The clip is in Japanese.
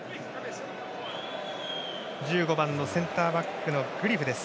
１５番、センターバックのグリク。